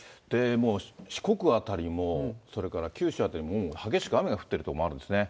もう四国辺りも、それから九州辺りも、激しく雨が降っている所もあるんですね。